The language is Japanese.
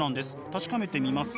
確かめてみます？